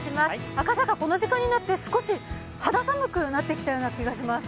赤坂、この時間になって少し、肌寒くなってきたような気がします。